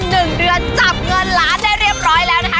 หนึ่งเดือนจับเงินล้านได้เรียบร้อยแล้วนะคะ